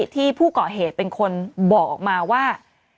ผู้ก่อเหตุเป็นคนบอกออกมาว่า